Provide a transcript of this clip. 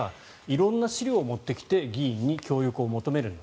色んな資料を持ってきて議員に協力を求めると。